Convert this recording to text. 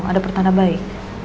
ada pertanda baik